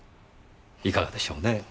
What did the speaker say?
いかがでしょうね。